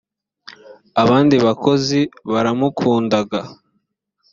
abandi bakozi baramukundaga